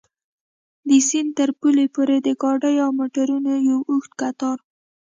د سیند تر پله پورې د ګاډیو او موټرو یو اوږد کتار.